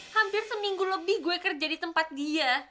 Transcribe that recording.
hampir seminggu lebih gue kerja di tempat dia